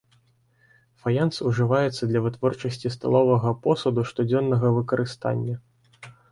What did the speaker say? Фаянс ўжываецца для вытворчасці сталовага посуду штодзённага выкарыстання.